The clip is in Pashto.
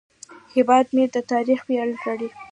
هیواد مې د تاریخ ویاړ لري